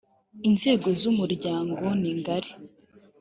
inzego zumuryango ningari.